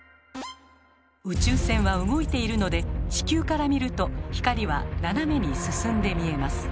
宇宙船は動いているので地球から見ると光は斜めに進んで見えます。